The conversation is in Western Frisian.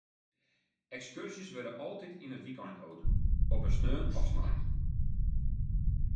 Ekskurzjes wurde altyd yn it wykein holden, op in saterdei of snein.